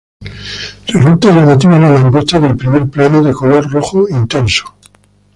Resulta llamativa la langosta del primer plano, de color rojo intenso.